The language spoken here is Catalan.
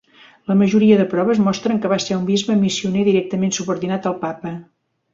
La majoria de proves mostren que va ser un bisbe missioner directament subordinat al Papa.